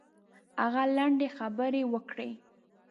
هغه لنډې خبرې وکړې.